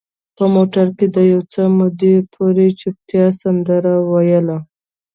په موټر کې د یو څه مودې پورې چوپتیا سندره ویله.